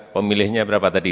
pemilihnya berapa tadi